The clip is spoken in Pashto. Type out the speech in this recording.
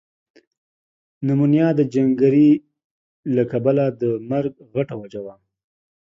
نمونیا ده جنګری له کبله ده مرګ غټه وجه ده۔